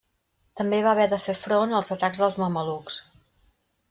També va haver de fer front als atacs dels mamelucs.